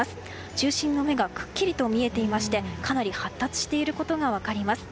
中心の目がくっきりと見えていましてかなり発達していることが分かります。